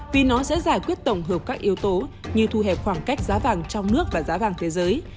vì nó sẽ giải quyết tổng hợp các yếu tố như thu hẹp khoảng cách giá vàng trong nước và giá vàng thế giới